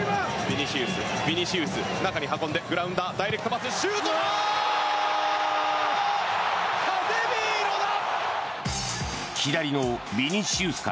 ビニシウス、ビニシウス中に運んでグラウンダーダイレクトパスシュート！